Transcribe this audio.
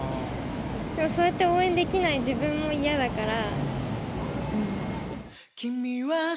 でも、そうやって応援できない自分も嫌だから。